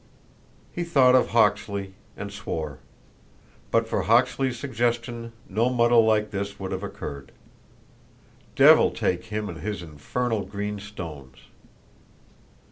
He thought of Hawksley, and swore. But for Hawksley's suggestion no muddle like this would have occurred. Devil take him and his infernal green stones!